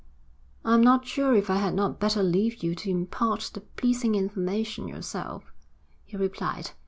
'I'm not sure if I had not better leave you to impart the pleasing information yourself,' he replied.